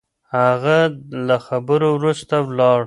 هغه له خبرو وروسته ولاړ.